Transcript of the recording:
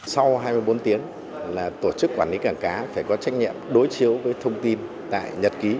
sau hai mươi bốn tiếng là tổ chức quản lý cảng cá phải có trách nhiệm đối chiếu với thông tin tại nhật ký